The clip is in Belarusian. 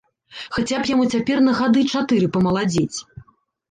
Хаця б яму цяпер на гады чатыры памаладзець.